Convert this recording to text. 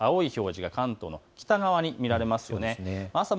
青い表示が関東の北側に見られますよね。